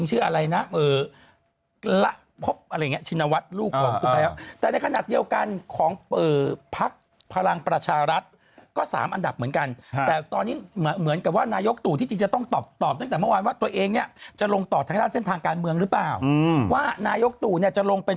อือพลังประชาลักษณ์เขาได้บอกเอาไว้